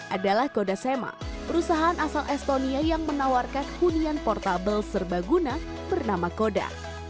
adalah kodasema perusahaan asal estonia yang menawarkan hunian portable serbaguna bernama koda